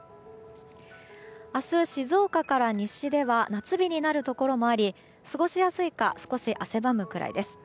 明日、静岡から西では夏日になるところもあり過ごしやすいか少し汗ばむくらいです。